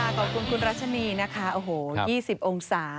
ขอบคุณคุณรัชนีนะคะโอ้โห๒๐องศา